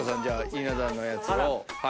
稲田のやつを。